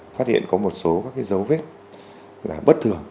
phát hiện có một số dấu vết bất thường